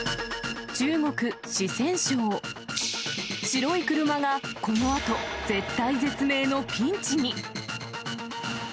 白い車がこのあと、絶体絶命のピンチに。